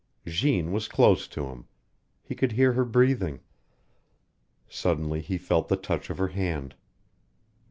Jeanne was close to him. He could hear her breathing. Suddenly he felt the touch of her hand.